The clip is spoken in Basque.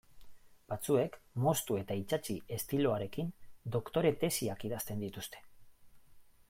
Batzuek moztu eta itsatsi estiloarekin doktore tesiak idazten dituzte.